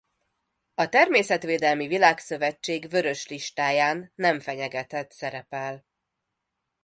A Természetvédelmi Világszövetség Vörös listáján nem fenyegetett szerepel.